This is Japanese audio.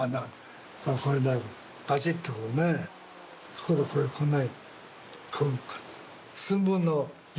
ここでこれこんな。